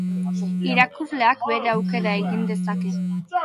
Irakurleak bere aukera egin dezake.